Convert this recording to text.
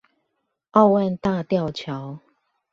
奧萬大吊橋